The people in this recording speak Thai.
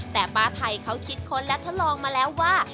แต่ป้าไทยเขาคิดค้นและทดลองมาแล้วว่า